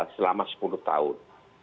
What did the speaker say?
selama sepuluh tahun